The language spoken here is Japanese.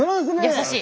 優しい。